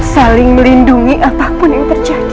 saling melindungi apapun yang terjadi